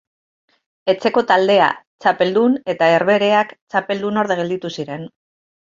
Etxeko taldea txapeldun eta Herbehereak txapeldunorde gelditu ziren.